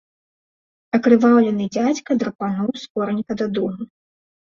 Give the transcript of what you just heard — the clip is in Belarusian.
Акрываўлены дзядзька драпануў скоранька дадому.